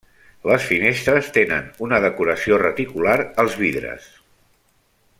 Les finestres tenen una decoració reticular als vidres.